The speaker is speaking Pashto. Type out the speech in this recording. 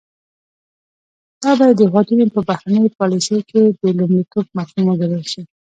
دا باید د هیوادونو په بهرنۍ پالیسۍ کې د لومړیتوب مفهوم وګڼل شي